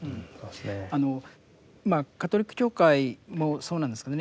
まあカトリック教会もそうなんですけどね